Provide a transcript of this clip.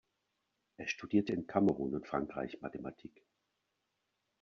Er studierte in Kamerun und Frankreich Mathematik.